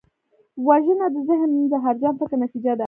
وژنه د ذهن زهرجن فکر نتیجه ده